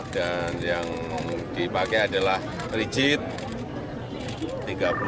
dan yang dipakai adalah rigid tiga puluh cm